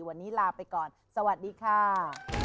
วันนี้ลาไปก่อนสวัสดีค่ะ